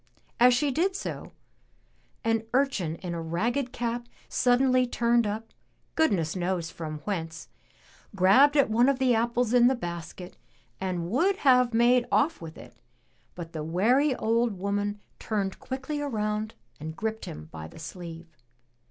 As she did so, an urchin in a ragged cap suddenly turned up, goodness knows from whence, grabbed at one of the apples in the basket and would have made off with it, but the wary old woman turned quickly around and gripped him by the sleeve.